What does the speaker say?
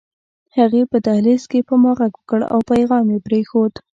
هغې په دهلېز کې په ما غږ وکړ او پيغام يې پرېښود